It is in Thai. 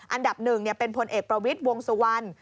อันดับหนึ่งเป็นพลเอกประวิทย์วงสุวรรณ